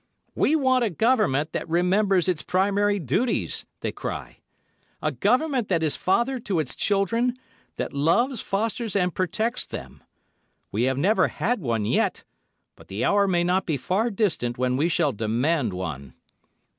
"We want a Government that remembers its primary duties," they cry. "A Government that is father to its children, that loves, fosters and protects them. We have never had one yet, but the hour may not be far distant when we shall demand one."